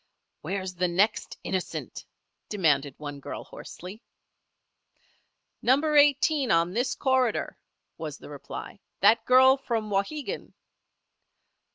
"Where's the next innocent?" demanded one girl, hoarsely. "Number Eighteen, on this corridor," was the reply. "That girl from Wauhegan."